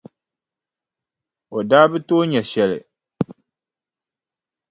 O daa bi tooi nya shɛli.